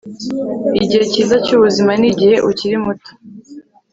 Igihe cyiza cyubuzima nigihe ukiri muto